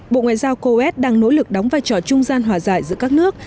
bộ ngoại giao coes đang nỗ lực đóng vai trò trung gian hòa giải giữa các nước